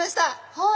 はい！